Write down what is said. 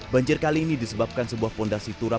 banjir kali ini disebabkan sebuah fondasi turap